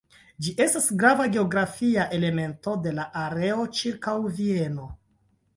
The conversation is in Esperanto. Ĝi estas grava geografia elemento de la areo ĉirkaŭ Vieno.